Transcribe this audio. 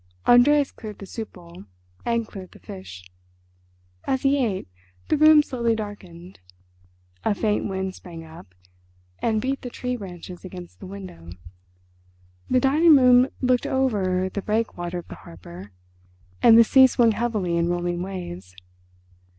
Andreas cleared the soup bowl, and cleared the fish. As he ate, the room slowly darkened. A faint wind sprang up and beat the tree branches against the window. The dining room looked over the breakwater of the harbour, and the sea swung heavily in rolling waves.